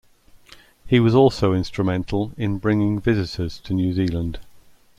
He was also instrumental in bringing visitors to New Zealand.